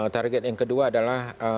target yang kedua adalah